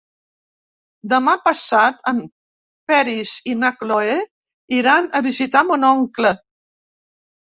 Demà passat en Peris i na Cloè iran a visitar mon oncle.